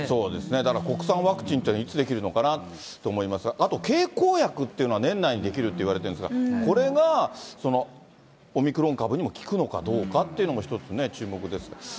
だから国産ワクチンというのはいつ出来るのかなと思いますが、あと経口薬っていうのは年内に出来るっていわれてるんですが、これがオミクロン株にも効くのかどうかというのも一つね、注目です。